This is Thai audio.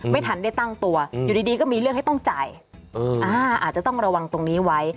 ไม่ทันได้ตั้งตัวอยู่ดีก็มีเรื่องให้ต้องจ่ายอาจจะต้องระวังตรงนี้ไว้